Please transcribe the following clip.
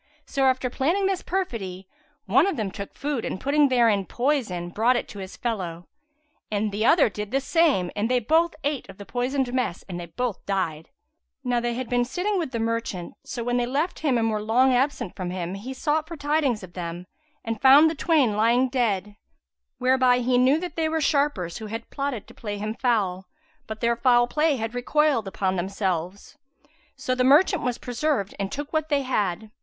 So after planning this perfidy, one of them took food and putting therein poison, brought it to his fellow; the other did the same and they both ate of the poisoned mess and they both died. Now they had been sitting with the merchant; so when they left him and were long absent from him, he sought for tidings of them and found the twain lying dead; whereby he knew that they were sharpers who had plotted to play him foul, but their foul play had recoiled upon themselves. So the merchant was preserved and took what they had.